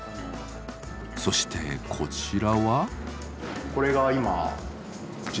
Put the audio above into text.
そしてこちらは。